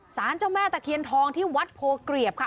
สารเจ้าแม่ตะเคียนทองที่วัดโพเกรียบค่ะ